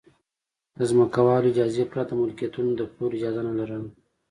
د ځمکوالو له اجازې پرته د ملکیتونو د پلور اجازه نه لرله